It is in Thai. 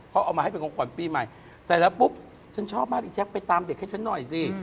เขาเอามาให้เป็นของขวัญปีใหม่แต่ละปุ๊บฉันชอบมากอีแจ๊คไปตามเด็กให้ฉันหน่อยสิ